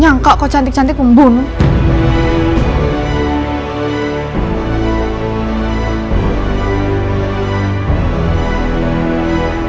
dan kita tidak perlu bodily mediab